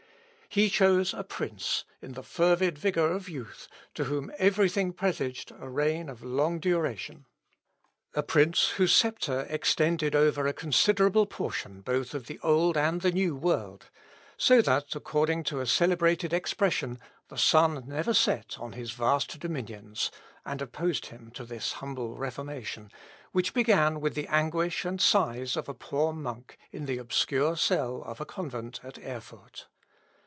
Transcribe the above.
He chose a prince, in the fervid vigour of youth, to whom every thing presaged a reign of long duration a prince whose sceptre extended over a considerable portion both of the old and the new world; so that, according to a celebrated expression, the sun never set on his vast dominions and opposed him to this humble Reformation, which began with the anguish and sighs of a poor monk, in the obscure cell of a convent at Erfurt.